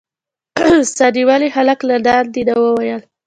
سا نيولي هلک له لاندې نه وويل.